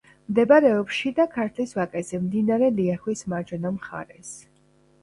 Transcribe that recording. მდებარეობს შიდა ქართლის ვაკეზე, მდინარე ლიახვის მარჯვენა მხარეს.